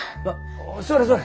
座れ座れ。